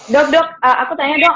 dok dok aku tanya dok